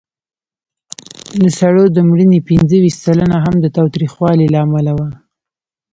د سړو د مړینې پینځهویشت سلنه هم د تاوتریخوالي له امله وه.